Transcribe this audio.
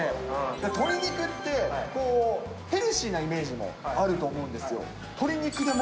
鶏肉って、ヘルシーなイメージもあると思うんですよ。